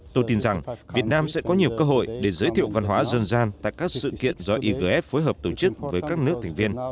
tôi tin rằng việt nam sẽ có nhiều cơ hội để giới thiệu văn hóa dân gian tại các sự kiện do igf phối hợp tổ chức với các nước thành viên